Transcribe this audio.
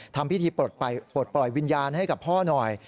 ทำพิธีปลดปล่อยวิญญาณให้กับพ่อหน่อย